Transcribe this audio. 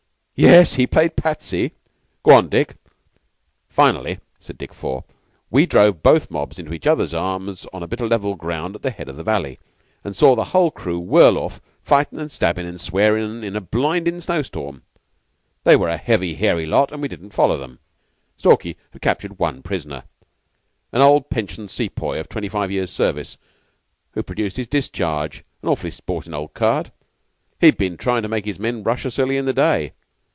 "Yes, he played 'Patsy.' Go on, Dick." "Finally," said Dick Four, "we drove both mobs into each other's arms on a bit of level ground at the head of the valley, and saw the whole crew whirl off, fightin' and stabbin' and swearin' in a blindin' snow storm. They were a heavy, hairy lot, and we didn't follow 'em. "Stalky had captured one prisoner an old pensioned Sepoy of twenty five years' service, who produced his discharge an awf'ly sportin' old card. He had been tryin' to make his men rush us early in the day.